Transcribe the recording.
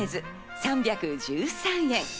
３１３円。